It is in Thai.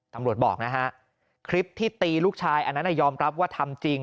ตำรวจบอกนะฮะคลิปที่ตีลูกชายอันนั้นยอมรับว่าทำจริง